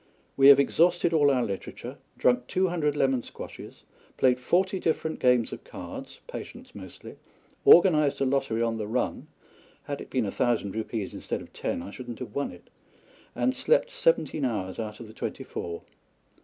We have exhausted all our literature, drunk two hundred lemon squashes; played forty different games of cards (Patience mostly), organised a lottery on the run (had it been a thousand rupees instead of ten I should not have won it), and slept seventeen hours out of the twenty four.